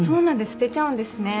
捨てちゃうんですね。